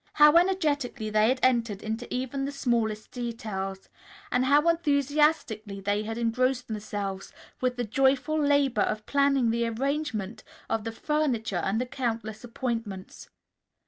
How energetically they had entered into even the smallest details, and how enthusiastically they had engrossed themselves with the joyful labor of planning the arrangement of the furniture and the countless appointments.